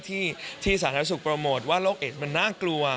ที่สาธารณสุขโปรโมทว่าโรคเอดมันน่ากลัว